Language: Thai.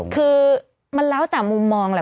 คือมันแล้วแต่มุมมองแหละ